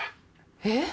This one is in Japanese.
えっ？